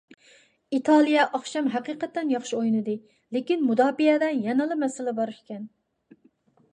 ئىتالىيە ئاخشام ھەقىقەتەن ياخشى ئوينىدى، لېكىن مۇداپىئەدە يەنىلا مەسىلە بار ئىكەن.